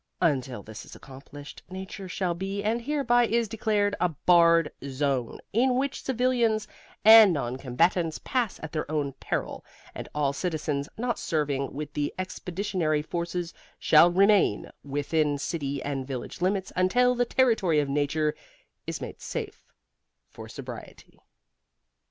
Until this is accomplished Nature shall be and hereby is declared a barred zone, in which civilians and non combatants pass at their own peril; and all citizens not serving with the expeditionary forces shall remain within city and village limits until the territory of Nature is made safe for sobriety.